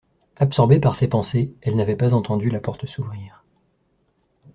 Absorbée par ses pensées, elle n’avait pas entendu la porte s’ouvrir